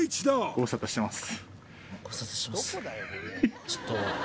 ご無沙汰してます